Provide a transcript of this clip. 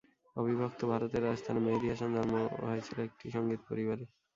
অবিভক্ত ভারতের রাজস্থানে মেহেদী হাসান জন্ম হয়েছিল একটি সঙ্গীত পরিবারে।